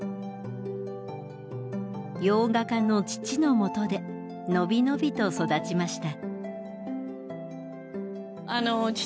洋画家の父のもとで伸び伸びと育ちました。